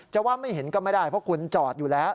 จะว่าไม่เห็นก็ไม่ได้เพราะคุณจอดอยู่แล้ว